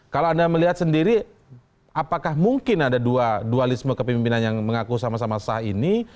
kalau anda melihat sendiri apakah mungkin ada dualisme kepemimpinan yang mengaku sama sama sah ini